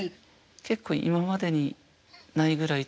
結構今までにないぐらいちょっと。